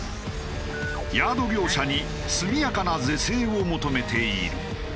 ヤード業者に速やかな是正を求めている。